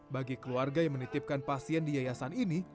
bagi keluarga yang menitipkan pasien di yayasan ini